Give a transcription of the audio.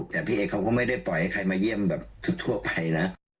แต่พี่เอเขาก็ไม่ได้ปล่อยให้ใครมาเยี่ยมแบบสุดทั่วไปนะ